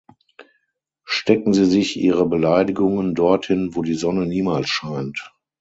Stecken Sie sich Ihre Beleidigungen dorthin, wo die Sonne niemals scheint!